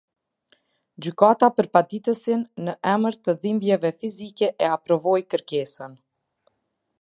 Gjyakat për paditësin në emër të dhimbjeve fizike e aprovoi kërkesën.